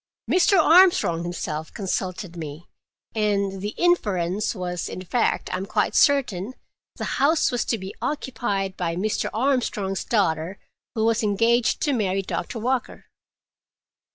Mr. Armstrong himself consulted me, and the inference was—in fact, I am quite certain—the house was to be occupied by Mr. Armstrong's daughter, who was engaged to marry Doctor Walker."